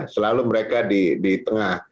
selalu mereka di tengah